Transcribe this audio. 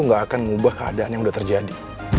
itu gak akan mengubah keadaan yang udah terjadi